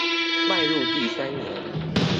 邁入第三年